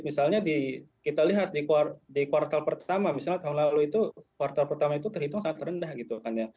misalnya kita lihat di kuartal pertama misalnya tahun lalu itu kuartal pertama itu terhitung sangat rendah gitu kan ya